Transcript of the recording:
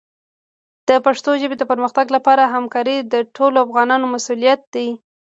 د پښتو ژبې د پرمختګ لپاره همکاري د ټولو افغانانو مسؤلیت دی.